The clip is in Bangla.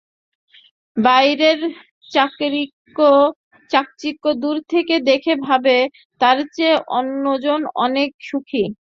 বাইরের চাকচিক্য দূর থেকে দেখে ভাবে, তার চেয়ে অন্যজন অনেক সুখী।